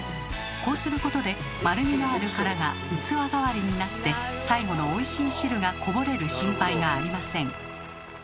こうすることで丸みのある殻が器代わりになって最後のおいしい汁がこぼれる心配がありません。